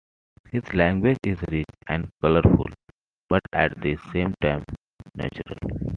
His language is rich and colorful, but at the same time natural.